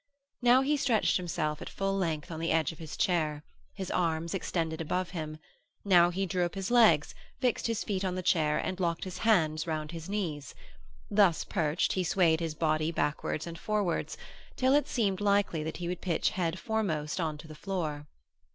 Now he stretched himself at full length on the edge of his chair, his arms extended above him; now he drew up his legs, fixed his feet on the chair, and locked his hands round his knees; thus perched, he swayed his body backwards and forwards, till it seemed likely that he would pitch head foremost on to the floor.